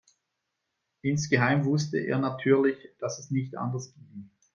Insgeheim wusste er natürlich, dass es nicht anders ging.